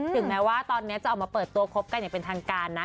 ถึงแม้ว่าตอนนี้จะออกมาเปิดตัวคบกันอย่างเป็นทางการนะ